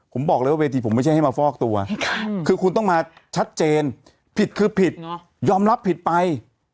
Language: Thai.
ผมบอกเลยว่าเวทีผมไม่ใช่ให้มาฟอกตัวคือคุณต้องมาชัดเจนผิดคือผิดยอมรับผิดไป